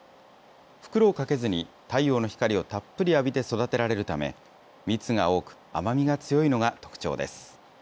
袋をかけずに、太陽の光をたっぷり浴びて育てられるため、蜜が多く、甘みが強いのが特徴です。